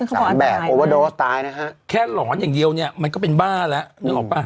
สามแบบโอวาดอร์สตายนะฮะแค่หลอนอย่างเดียวเนี่ยมันก็เป็นบ้าแล้วนึกออกป่ะ